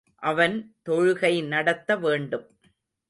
அவன் தொழுகை நடத்த வேண்டும்.